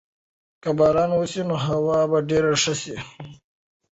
که باران وسي نو هوا به ډېره ښه سي.